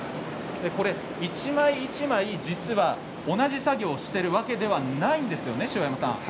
一枚一枚、実は同じ作業をしているわけではないんですよね。